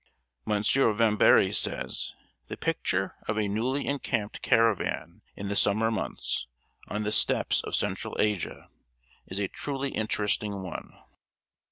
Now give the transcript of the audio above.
M. Vámbéry says: "The picture of a newly encamped caravan in the summer months, on the steppes of Central Asia, is a truly interesting one.